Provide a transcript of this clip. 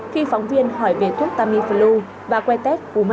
khi phóng viên hỏi về thuốc tamiflu và que tét cúm a